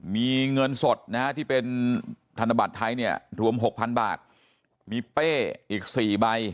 มีเงินสดนะฮะที่เป็นธนบัตรไทยเนี่ยรวม๖๐๐๐บาทมีเป้อีก๔ใบ